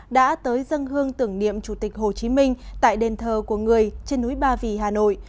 đã tới dân hương tưởng niệm chủ tịch hồ chí minh tại đền thờ của người trên núi ba vì hà nội